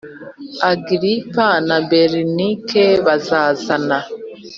Agiripa na Berenike bazazana.